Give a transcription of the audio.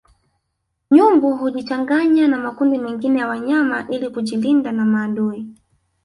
Nyumbu hujichanganya na makundi mengine ya wanyama ili kujilinda na maadui